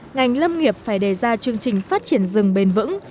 ngành lâm nghiệp phải đề ra chương trình phát triển rừng bền vững